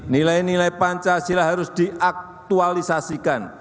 nilai nilai pancasila harus diaktualisasikan